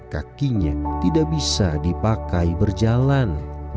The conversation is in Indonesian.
kakinya tidak bisa dipakai berjalan